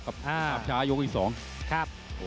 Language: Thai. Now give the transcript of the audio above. กับช้ายกอีก๒ครับ